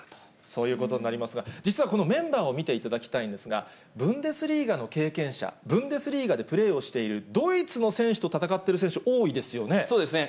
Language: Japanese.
そういうことになりますが、実はこのメンバーを見ていただきたいんですが、ブンデスリーガの経験者、ブンデスリーガでプレーをしているドイツの選手と戦ってる選手、そうですね。